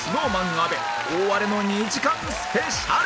阿部大荒れの２時間スペシャル！